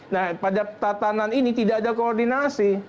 nah pada tatanan ini tidak ada koordinasi